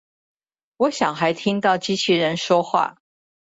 我小孩聽到機器人說話